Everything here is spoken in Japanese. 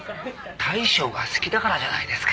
大将が好きだからじゃないですか？